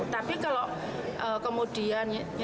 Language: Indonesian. tapi kalau kemudian